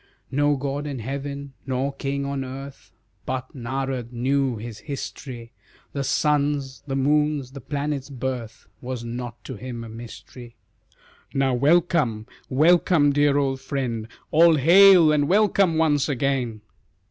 No god in heaven, nor king on earth, But Narad knew his history, The sun's, the moon's, the planets' birth Was not to him a mystery. "Now welcome, welcome, dear old friend, All hail, and welcome once again!"